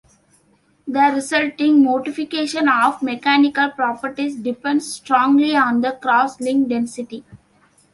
The resulting modification of mechanical properties depends strongly on the cross-link density.